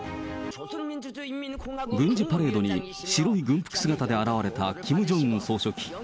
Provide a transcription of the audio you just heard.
軍事パレードに白い軍服姿で現れたキム・ジョンウン総書記。